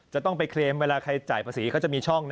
จะต้องไปเคลมเวลาใครจ่ายภาษีเขาจะมีช่อง